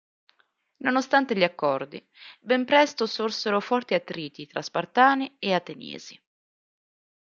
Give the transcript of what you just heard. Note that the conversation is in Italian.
Nonostante gli accordi, ben presto sorsero forti attriti tra Spartani e Ateniesi.